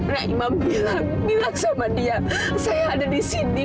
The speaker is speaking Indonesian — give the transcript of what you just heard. naimam bilang bilang sama dia saya ada di sini